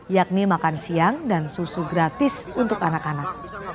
yakni makan siang dan susu gratis untuk anak anak